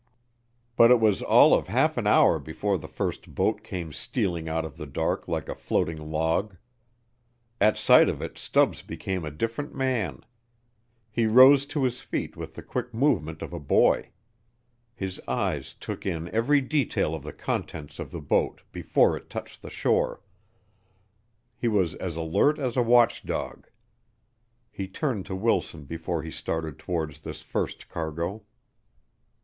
But it was all of half an hour before the first boat came stealing out of the dark like a floating log. At sight of it Stubbs became a different man. He rose to his feet with the quick movement of a boy. His eyes took in every detail of the contents of the boat before it touched the shore. He was as alert as a watchdog. He turned to Wilson before he started towards this first cargo.